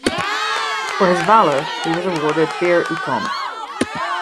For his valour, he was awarded Bir Uttom.